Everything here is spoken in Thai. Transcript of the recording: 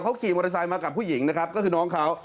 เขาขี่มอเตอร์ไซค์มากับผู้หญิงนะครับก็คือน้องเขา